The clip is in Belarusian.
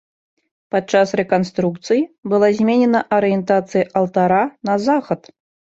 Пад час рэканструкцыі была зменена арыентацыя алтара на захад.